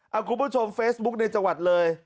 เอาคุณผู้ชมเฟซบุ๊คในจังหวัดเลย